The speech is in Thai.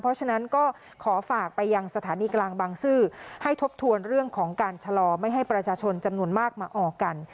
เพราะฉะนั้นก็ขอฝากไปยังสถานีกลางบางซื่อให้ทบทวนเรื่องของการชะลอไม่ให้ประชาชนจำนวนมากมาออกกัน